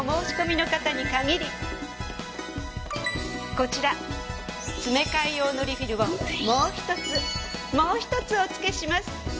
こちら詰め替え用のリフィルをもう１つもう１つおつけします。